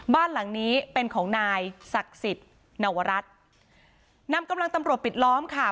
บ้านหลังนี้เป็นของนายศักดิ์สิทธิ์นวรัฐนำกำลังตำรวจปิดล้อมค่ะ